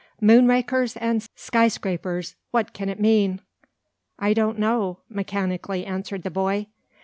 Moonrakers and skyscrapers! what can it mean?" "I don't know," mechanically answered the boy.